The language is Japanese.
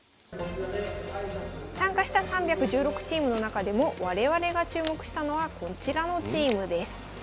参加した３１６チームの中でも我々が注目したのはこちらのチームです。